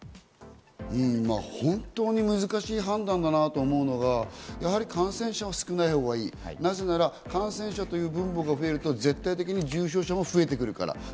本当に難しい判断だなと思うのがやはり感染者は少ないほうがいい、なぜなら感染者という分母が増えると、絶対的に重症者も増えてくるから。